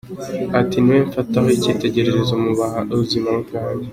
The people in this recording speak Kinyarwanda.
Ati “Ni we mfataho icyitegererezo mu buzima bwanjye.